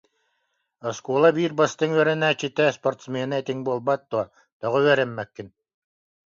Оскуола биир бастыҥ үөрэнээччитэ, спортсмена этиҥ буолбат дуо, тоҕо үөрэммэккин